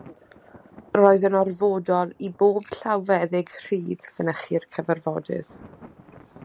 Roedd yn orfodol i bob llawfeddyg 'rhydd' fynychu'r cyfarfodydd.